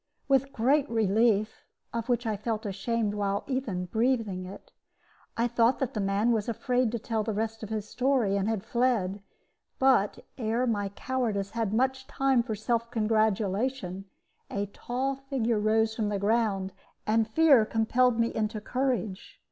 With great relief (of which I felt ashamed while even breathing it), I thought that the man was afraid to tell the rest of his story, and had fled; but ere my cowardice had much time for self congratulation a tall figure rose from the ground, and fear compelled me into courage.